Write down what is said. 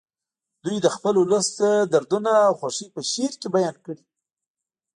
دوی د خپل ولس دردونه او خوښۍ په شعر کې بیان کړي